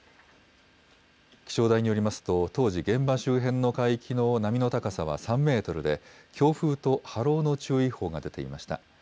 気象台によりますと、当時、現場周辺の海域の波の高さは３メートルで、強風と波浪の注意報が出ていました。